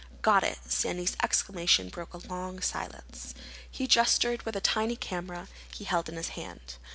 "Got it!" Sandy's exclamation broke a long silence. He gestured with the tiny camera he held in his hand.